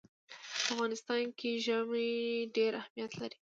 په افغانستان کې ژمی ډېر اهمیت لري.